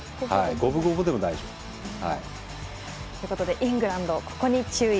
五分五分でも大丈夫。ということで「イングランドここに注意」